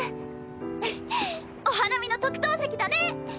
ふふっお花見の特等席だね！